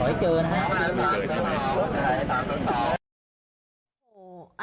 สวัสดีเจอนะครับ